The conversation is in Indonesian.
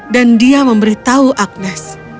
dan dia memberitahu agnes